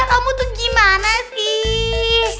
kamu tuh gimana sih